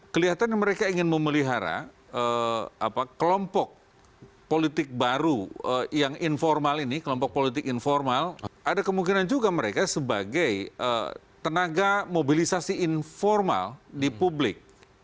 kelihatannya mereka ingin memelihara kelompok politik baru yang informal ini kelompok politik informal ada kemungkinan juga mereka sebagai tenaga mobilisasi informal di publik